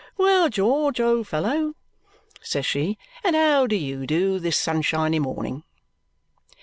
"Well, George, old fellow," says she, "and how do YOU do, this sunshiny morning?"